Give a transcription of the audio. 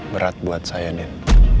berat buat saya nin